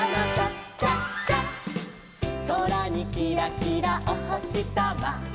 「そらにキラキラおほしさま」